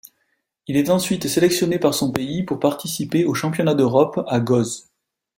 Il est ensuite sélectionné par son pays pour participer aux Championnats d'Europe à Goes.